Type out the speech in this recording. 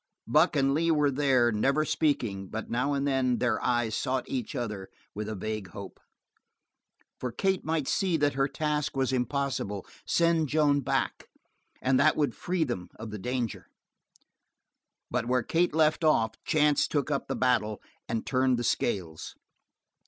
Buck and Lee were there, never speaking, but now and then their eyes sought each other with a vague hope. For Kate might see that her task was impossible, send Joan back, and that would free them of the danger. But where Kate left off, chance took up the battle and turned the scales.